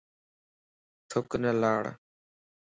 ٿُک نه لاڻ